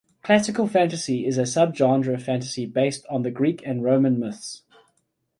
Classical Fantasy is a subgenre fantasy based on the Greek and Roman myths.